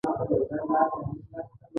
ایا زما تنفس به ښه شي؟